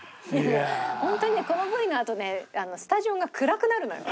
本当にねこのＶのあとねスタジオが暗くなるのよ。